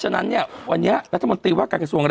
หรอหรอหรอหรอหรอหรอหรอหรอหรอหรอหรอหรอ